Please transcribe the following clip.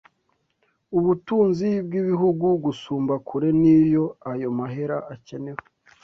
ubutunzi bw'ibihugu "gusumba kure n'iyo ayo mahera akenewe".